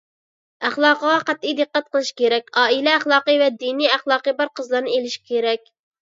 ئەخلاقىغا قەتئىي دىققەت قىلىش كېرەك، ئائىلە ئەخلاقى ۋە دىنىي ئەخلاقى بار قىزلارنى ئېلىش كېرەك.